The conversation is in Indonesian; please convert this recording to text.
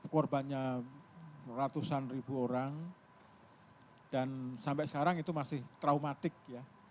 korbannya ratusan ribu orang dan sampai sekarang itu masih traumatik ya